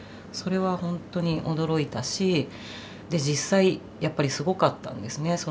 それはほんとに驚いたし実際やっぱりすごかったんですね